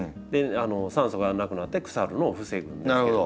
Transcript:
酸素がなくなって腐るのを防ぐんですけど。